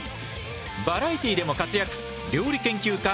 バラエティーでも活躍料理研究家